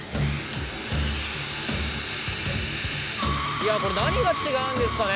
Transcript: いやこれ何が違うんですかね？